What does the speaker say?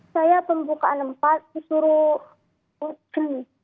saya pembukaan empat disuruh putin